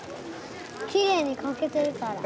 きれいに描けてるから。